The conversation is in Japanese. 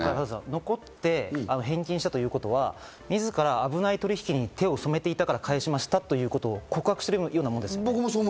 残って返金したということは自ら危ない取引に手を染めていたから返しましたということを告白してるようなもんですね。